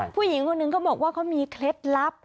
ผู้หญิงคนหนึ่งเขาบอกว่าเขามีเคล็ดลับ